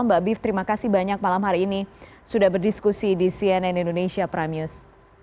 mbak biv terima kasih banyak malam hari ini sudah berdiskusi di cnn indonesia prime news